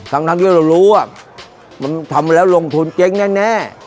ทั้งที่เรารู้ว่ามันทำแล้วลงทุนเจ๊งแน่